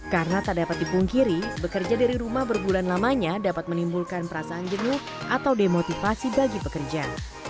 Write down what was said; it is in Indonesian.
karena tak dapat dipungkiri bekerja dari rumah berbulan lamanya dapat menimbulkan perasaan jenuh atau demotivasi bagi pekerja